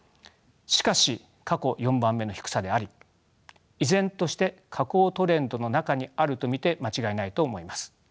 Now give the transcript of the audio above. しかし過去４番目の低さであり依然として下降トレンドの中にあると見て間違いないと思います。